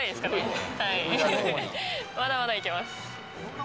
まだまだいけます。